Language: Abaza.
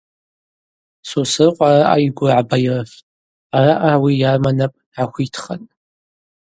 Сосрыкъва араъа йгвы гӏабайрыфтӏ, араъа ауи йарма напӏ гӏахвитхатӏ.